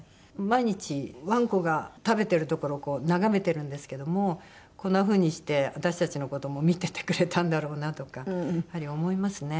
毎日ワンコが食べてるところをこう眺めてるんですけどもこんな風にして私たちの事も見ててくれたんだろうなとかやはり思いますね。